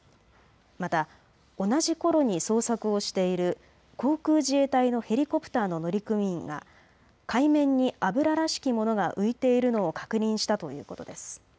また同じころに捜索をしている航空自衛隊のヘリコプターの乗組員が海面に油らしきものが浮いているのを確認したということです。